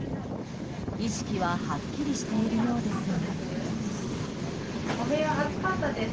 意識ははっきりしているようですが。